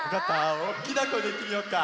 おっきなこえでいってみようか。